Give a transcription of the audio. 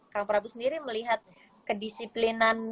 kang prabu sendiri melihat kedisiplinan